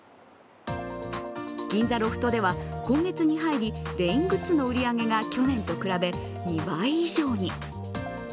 銀座ロフトでは今月に入りレイングッズの売り上げが去年と比べ２倍以上に。